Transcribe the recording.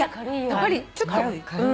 やっぱりちょっと。